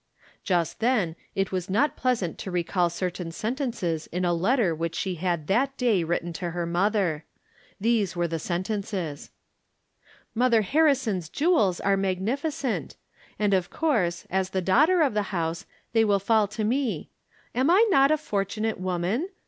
Just then it was not pleasant to recall certain sentences in a letter which she had that day written to her mother. These were the sen tences : "Mother Harrison's jewels are magnificent! And of course, as the daughter of the house, they will fall to me. Am I not a fortunate woman